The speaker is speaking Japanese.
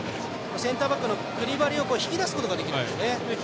センターバックのクリバリを引き出すことができるんですね。